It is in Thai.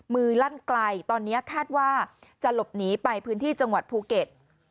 ลั่นไกลตอนนี้คาดว่าจะหลบหนีไปพื้นที่จังหวัดภูเก็ต